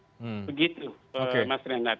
begitu mas renat